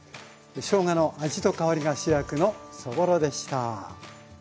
しょうがの味と香りが主役のそぼろでした。